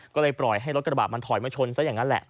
ก็เลยปล่อยให้รถกระบะมันถอยมาชนซะอย่างนั้นแหละ